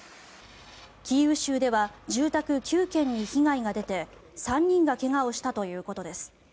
キーウ州では住宅９軒に被害が出て３人が怪我をしたということです。